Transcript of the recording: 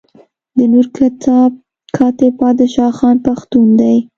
د نور کتاب کاتب بادشاه خان پښتون دی.